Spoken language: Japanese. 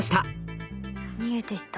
逃げていった。